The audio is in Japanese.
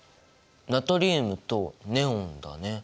ナトリウムとネオンだね。